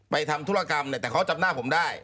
ทำธุรกรรมเนี่ยแต่เขาจำหน้าผมได้